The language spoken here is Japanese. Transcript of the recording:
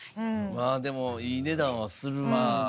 まあでもいい値段はするね。